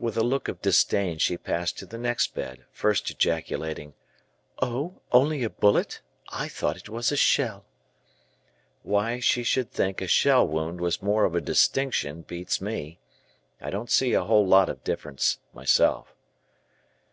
With a look of disdain she passed to the next bed, first ejaculating, "Oh! only a bullet? I thought it was a shell." Why she should think a shell wound was more of a distinction beats me. I don't see a whole lot of difference myself.